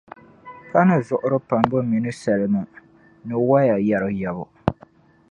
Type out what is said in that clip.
pa ni zuɣuri pambu mini salima ni waya yɛri yɛbu.